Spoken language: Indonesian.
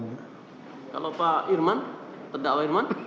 kalau pak irman